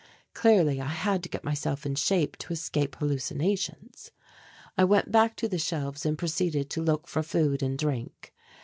Clearly I had to get myself in shape to escape hallucinations. I went back to the shelves and proceeded to look for food and drink.